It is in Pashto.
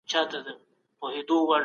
ظلم د ټولنې زهر دي.